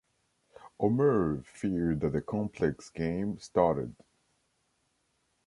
Omer feared that the complex game started.